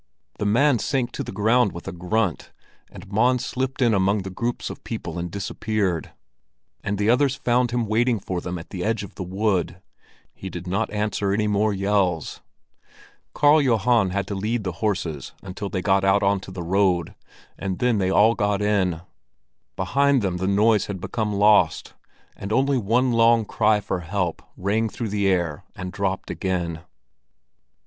The man sank to the ground with a grunt, and Mons slipped in among the groups of people and disappeared; and the others found him waiting for them at the edge of the wood. He did not answer any more yells. Karl Johan had to lead the horses until they got out onto the road, and then they all got in. Behind them the noise had become lost, and only one long cry for help rang through the air and dropped again.